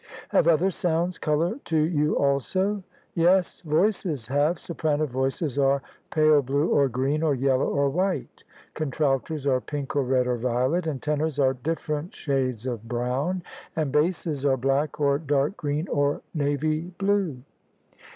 " Have other sounds colour to you also ?"" Yes; voices have. Soprano voices are pale blue or green or yellow or white: contraltos are pink or red or violet; and tenors are different shades of brown; and basses are black or dark green or navy blue."